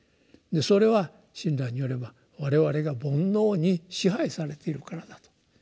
それは親鸞によれば我々が「煩悩」に支配されているからだと。